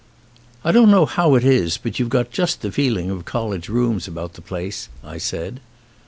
"I don't know how it is, but you've got just the feeling of college rooms about the place," I said.